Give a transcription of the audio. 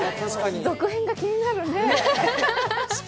続編が気になるね。